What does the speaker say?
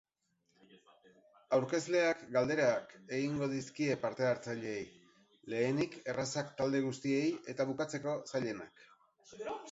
Aurkezleak galderak egingo dizkie parte hartzaileei, lehenik errazak talde guztiei eta bukatzeko zailenak.